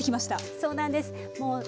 そうなんです。